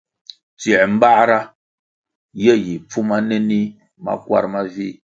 Tsiē mbāra ye yi pfuma nenih makwar mavih,